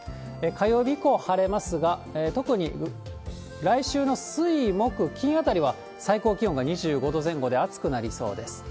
火曜日以降晴れますが、特に来週の水、木、金あたりは、最高気温が２５度前後で暑くなりそうです。